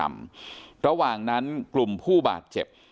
ระหว่างนั้นกลุ่มผู้บาดเจ็บ